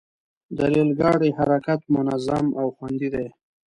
د ریل ګاډي حرکت منظم او خوندي دی.